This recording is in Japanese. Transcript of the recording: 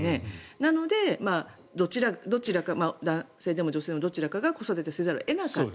なので、どちらか男性か女性のどちらかが子育てせざるを得なかった。